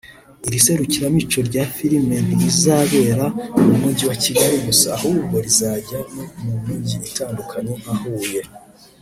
Iri serukiramuco rya filime ntirizabera mu Mujyi wa Kigali gusa ahubwo rizajya no mu Mijyi itandukanye nka Huye